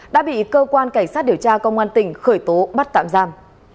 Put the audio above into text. đã bị cơ quan cảnh sát điều tra công an tỉnh khởi tố bắt tạm giam